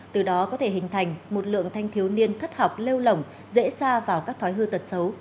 từ đó có thể hình thành một lượng thanh thiếu niên thất học lêu lỏng dễ xa vào các thói hư tật xấu